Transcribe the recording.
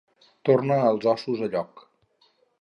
Tornar els ossos a lloc.